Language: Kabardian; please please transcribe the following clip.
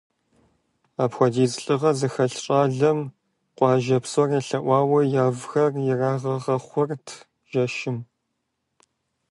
Апхуэдиз лӏыгъэ зыхэлъ щӏалэм къуажэ псор елъэӏуауэ явхэр ирагъэгъэхъурт жэщым.